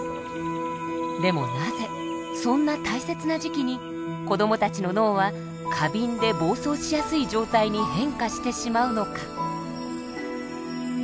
でもなぜそんな大切な時期に子どもたちの脳は過敏で暴走しやすい状態に変化してしまうのか。